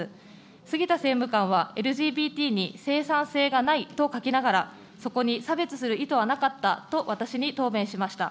杉田政務官はＬＧＢＴに生産性がないと書きながら、そこに差別する意図はなかったと私に答弁しました。